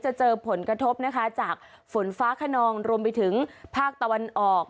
เจอผลกระทบนะคะจากฝนฟ้าขนองรวมไปถึงภาคตะวันออก